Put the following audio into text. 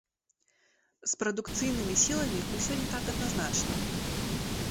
З прадукцыйнымі сіламі ўсё не так адназначна.